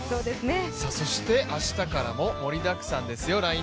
そして明日からも盛りだくさんですよ。